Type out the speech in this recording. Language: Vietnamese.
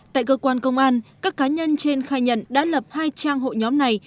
tại cơ quan công an các cá nhân trên khai nhận đã lập hai trang hội nhóm này